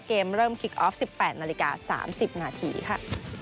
เกมเริ่มคลิกออฟ๑๘นาฬิกา๓๐นาทีค่ะ